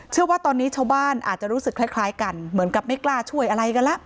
เชื่อว่าตอนนี้ชาวบ้านอาจจะรู้สึกคล้ายกันเหมือนกับไม่กล้าช่วยอะไรกันแล้ว